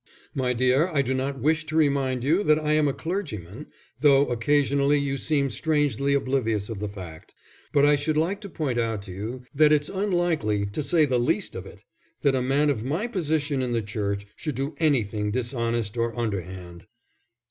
"My dear, I do not wish to remind you that I am a clergyman, though occasionally you seem strangely oblivious of the fact. But I should like to point out to you that it's unlikely, to say the least of it, that a man of my position in the Church should do anything dishonest or underhand."